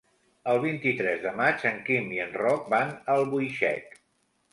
El vint-i-tres de maig en Quim i en Roc van a Albuixec.